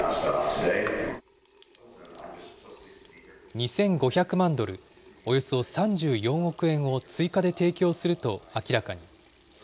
２５００万ドル、およそ３４億円を追加で提供すると明らかに。